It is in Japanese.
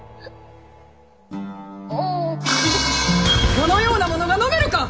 このようなものが飲めるか！